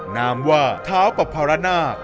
นามว่าท้าวปรพรณาค